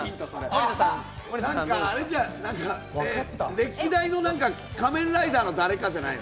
歴代の仮面ライダーの誰かじゃないの？